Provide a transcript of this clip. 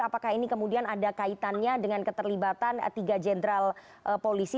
apakah ini kemudian ada kaitannya dengan keterlibatan tiga jenderal polisi